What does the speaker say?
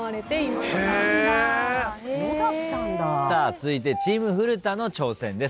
続いてチーム古田の挑戦です。